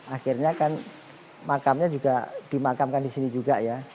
akhirnya kan makamnya juga dimakamkan di sini juga ya